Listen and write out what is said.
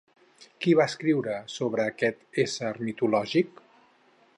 Qui va escriure sobre aquest ésser mitològic?